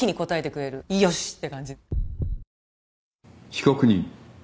被告人。